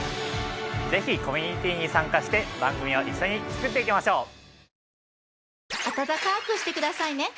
ぜひコミュニティに参加して番組を一緒につくっていきましょう！